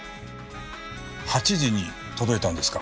８時に届いたんですか？